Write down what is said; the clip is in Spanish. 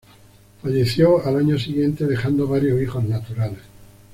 Falleció al año siguiente dejando varios hijos naturales.